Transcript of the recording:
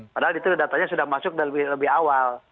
padahal itu datanya sudah masuk lebih awal